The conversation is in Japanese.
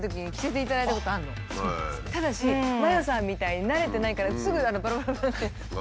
ただしＭａｙｏさんみたいに慣れてないからすぐバラバラバラって。